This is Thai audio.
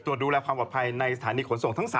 ดูแลความปลอดภัยในสถานีขนส่งทั้ง๓